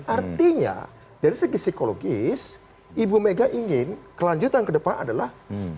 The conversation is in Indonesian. artinya dari segi psikologis ibu mega ingin kelanjutan ke depan adalah